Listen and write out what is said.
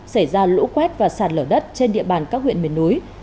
xảy ra lũ quét và sạt lở đất trên địa bàn các huyện miền núi